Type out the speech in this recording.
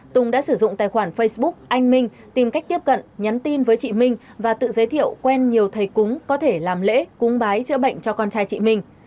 tùng đã sử dụng tài khoản facebook anh minh tìm cách tiếp cận nhắn tin với chị minh và tự giới thiệu quen nhiều thầy cúng có thể làm lễ cúng bái chữa bệnh cho con trai chị minh